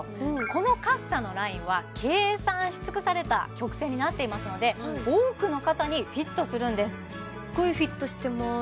このカッサのラインは計算し尽くされた曲線になっていますので多くの方にフィットするんですすっごいフィットしてます